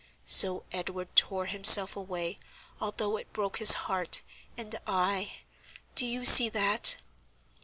So Edward tore himself away, although it broke his heart, and I—do you see that?"